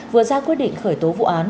vừa ra quyết định khởi tố vụ án